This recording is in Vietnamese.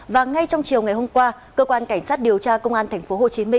và ngay trong chiều ngày hôm qua cơ quan cảnh sát điều tra công an tp hcm